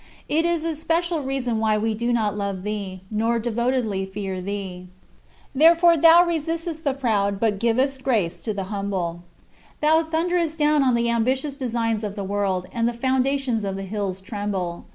It is a special reason why we do not love thee, nor devotedly fear thee. Therefore "thou resistest the proud but givest grace to the humble." Thou thunderest down on the ambitious designs of the world, and "the foundations of the hills" tremble.